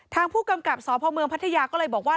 ทางผู้กำกับสพเมืองพัทยาก็เลยบอกว่า